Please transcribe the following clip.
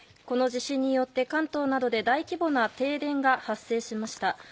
この地震によって関東などで大規模な停電が発生しました。